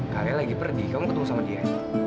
kalian lagi pergi kamu ketemu sama dia